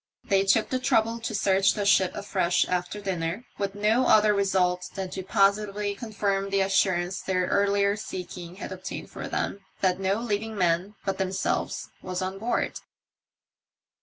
They took the trouble to search the ship afresh after dinner, with no other result than to positively confirm the assurance their earlier seeking had obtained for them, that no living man bat themselves was on board.